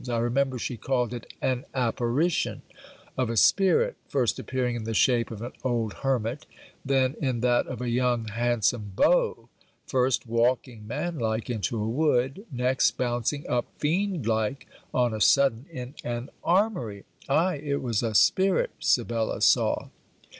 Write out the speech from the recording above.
I remember she called it an apparition, of a spirit first appearing in the shape of an old hermit then in that of a young handsome beau first walking, manlike, into a wood next bouncing up, fiend like, on a sudden in an armoury. Ay, it was a spirit Sibella saw.